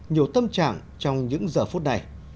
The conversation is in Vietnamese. nhiều tâm trạng trong những giờ phút này